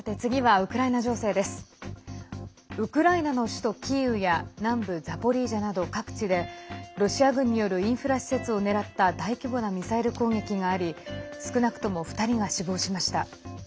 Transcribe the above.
ウクライナの首都キーウや南部ザポリージャなど各地でロシア軍によるインフラ施設を狙った大規模なミサイル攻撃があり少なくとも２人が死亡しました。